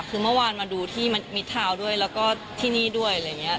คือเมื่อวานมาดูที่มิดทาวน์ด้วยแล้วก็ที่นี่ด้วยอะไรอย่างนี้